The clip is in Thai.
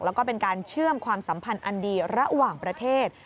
แล้วก็เป็นการเชื่อมความสัมพันธ์อันดีระหว่างประเทศ